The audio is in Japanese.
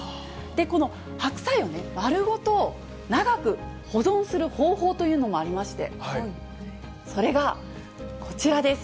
この白菜を丸ごと長く保存する方法というのもありまして、それがこちらです。